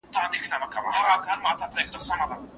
ماهر ساعت معاينه کړی دی.